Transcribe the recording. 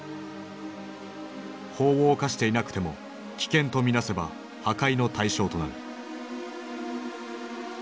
法を犯していなくても危険と見なせば破壊の対象となる。